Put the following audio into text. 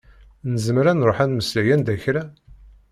Nezmer ad nruḥ ad nmeslay anda kra?